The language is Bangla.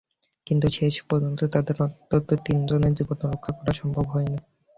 কিন্তু শেষ পর্যন্ত তাঁদের অন্তত তিনজনের জীবন রক্ষা করা সম্ভব হয়নি।